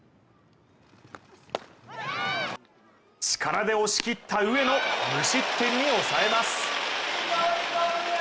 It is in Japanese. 力で押し切った上野無失点に抑えます。